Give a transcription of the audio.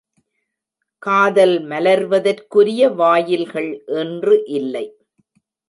காதல் மலர்வதற்குரிய வாயில்கள் இன்று இல்லை.